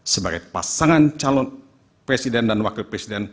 sebagai pasangan calon presiden dan wakil presiden